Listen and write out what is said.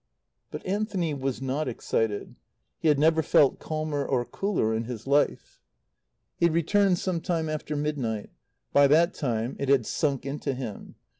But Anthony was not excited. He had never felt calmer or cooler in his life. He returned some time after midnight. By that time it had sunk into him.